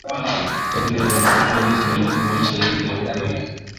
Hata hivyo ni takribani nusu yao huonyesha dalili za ugonjwa huo